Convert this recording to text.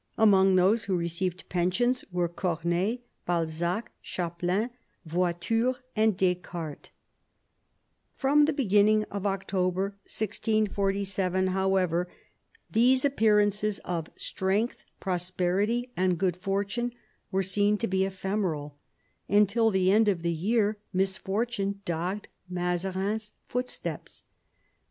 Among those who received pensions were Corneille, Balzac, Chapelain, Voiture, and DescarteO From the beginning of October 1647, however, these appearances of strength, prosperity, and good fortune were seen to be ephemeral, and till the end of the year misfortune dogged Mazarin's footsteps.